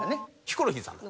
ヒコロヒーさん。